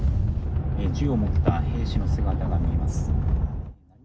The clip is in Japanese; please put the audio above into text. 銃を持った兵士の姿が見えます。